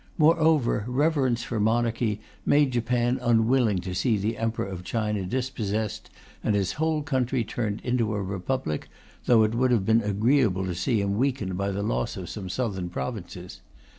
Moreover, reverence for monarchy made Japan unwilling to see the Emperor of China dispossessed and his whole country turned into a Republic, though it would have been agreeable to see him weakened by the loss of some southern provinces.